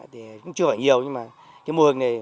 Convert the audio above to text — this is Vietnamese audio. thì cũng chưa phải nhiều nhưng mà cái mô hình này